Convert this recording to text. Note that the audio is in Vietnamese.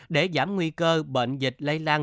để giảm nguy cơ bệnh dịch lây lan